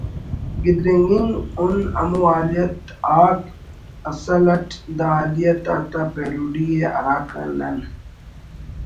گدرینگ انگ اُن ہمو حالیت آک اصل اٹ دا حالیت آتا پیروڈی ءِ ہراکان نن